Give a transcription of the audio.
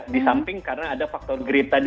di samping karena ada faktor grade tadi